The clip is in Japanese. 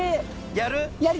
やる？